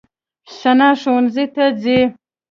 ثنا ښوونځي ته ځي.